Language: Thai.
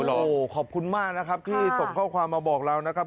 โอ้โหขอบคุณมากนะครับที่ส่งข้อความมาบอกเรานะครับ